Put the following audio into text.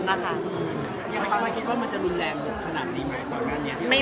คุณคิดว่ามันจะรุนแรงขนาดนี้ไหมตอนนั้น